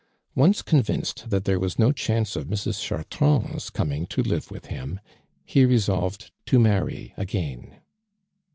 Once convinced that there was no chance of Mrs. Chartrand's coming to live with him, he resolved to inirry again.